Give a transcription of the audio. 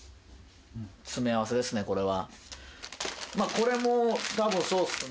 これも多分そうっすね。